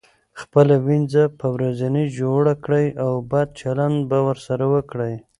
خپله وينځه به ورځنې جوړه کړئ او بد چلند به ورسره وکړئ.